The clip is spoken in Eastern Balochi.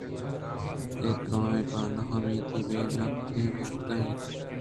اے دُرٛاہ پہ نااُمیتی ءُبے نپیں ودار اِت اَنت